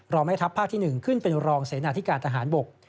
แม่ทัพภาคที่๑ขึ้นเป็นรองเสนาธิการทหารบก